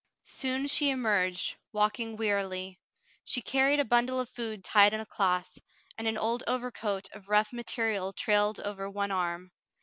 Soon she emerged, walking wearily. She carried a bundle of food tied in a cloth, and an old overcoat of rough material trailed over one arm.